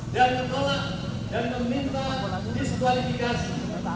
dan menolak dan meminta diskualifikasi